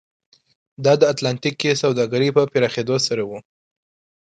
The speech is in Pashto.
دا د اتلانتیک کې سوداګرۍ په پراخېدو سره و.